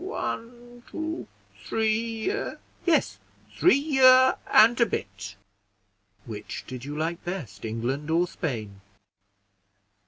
"One, two, three year; yes, three year and a bit." "Which did you like best England or Spain?"